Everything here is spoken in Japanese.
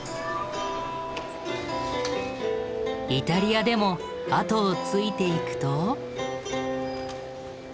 イタリアでも後をついていくと。